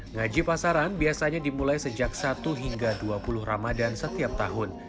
ngaji pasaran biasanya dimulai sejak satu hingga dua puluh ramadan setiap tahun